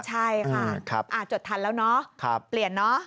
ใช่ค่ะจดทันแล้วเนาะเปลี่ยนเนาะ